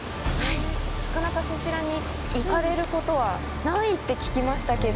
なかなかそちらに行かれることはないって聞きましたけど。